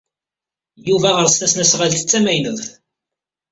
Yuba ɣer-s tasnasɣalt d tamaynut.